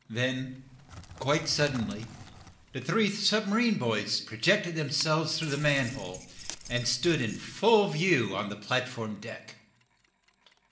Then, quite suddenly, the three submarine boys projected themselves through the manhole, and stood in full view on the platform deck.